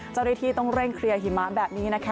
เจ้าหน้าที่ต้องเร่งเคลียร์หิมะแบบนี้นะคะ